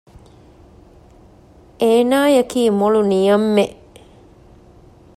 އޭނާ އަކީ މޮޅު ނިޔަންމެއް